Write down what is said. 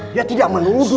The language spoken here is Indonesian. dia tidak menuduh